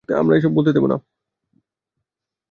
আমরা এসব ভুলতে পারব না!